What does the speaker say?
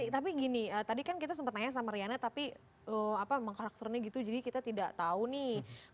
tapi gini tadi kan kita sempat tanya sama riana tapi memang karakternya gitu jadi kita tidak tahu nih